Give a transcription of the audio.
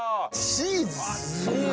チーズすごっ！